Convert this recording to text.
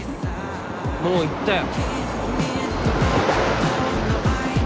もう行ったよ